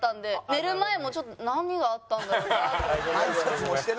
寝る前もちょっと何があったんだろうなと思って。